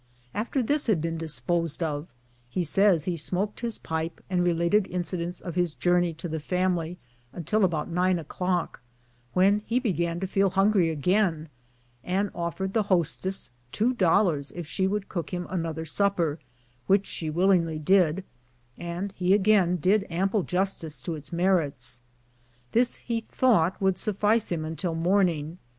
After this had been disposed of, he says he smoked his pipe and related incidents of his journey to the family until about nine o'clock, when he began to feel hungry again, and offered the hostess two dollars if she would cook him another supper, which she willingly did, and he again did ample justice to its merits. This he thought would suffice him until morning.